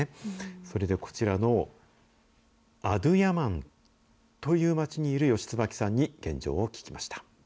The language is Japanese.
それでこちらのアドゥヤマンという町にいる吉椿さんに現状を聞きました。